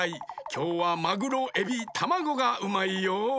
きょうはマグロエビタマゴがうまいよ。